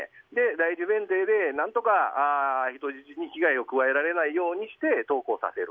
第一前提で何とか人質に被害を加えられないようにして投降させる。